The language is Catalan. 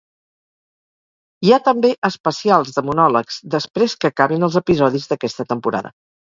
Hi ha també especials de monòlegs després que acabin els episodis d'aquesta temporada.